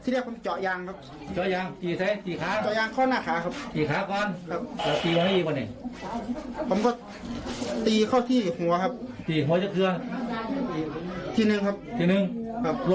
โดดเตือนบินลูกจอกยางเข้ามาก่อนก็ตีแต่ตีเข้าที่หัว